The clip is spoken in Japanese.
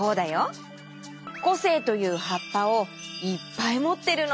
こせいというはっぱをいっぱいもってるの。